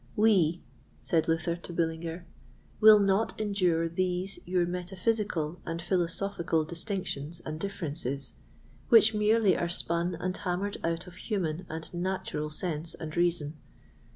We," said Luther to Bullinger, "will not endure these your metaphysical and philosophical distinctions and differences, which merely are spun and hammered out of human and natural sense and reason.